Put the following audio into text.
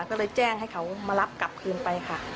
ก็เลยแจ้งให้เขามารับกลับคืนไปค่ะ